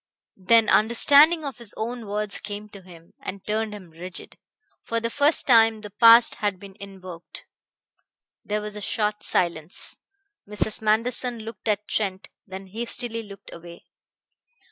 Then understanding of his own words came to him, and turned him rigid. For the first time the past had been invoked. There was a short silence. Mrs. Manderson looked at Trent, then hastily looked away.